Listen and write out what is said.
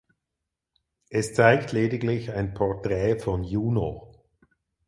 Es zeigt lediglich ein Porträt von Juno.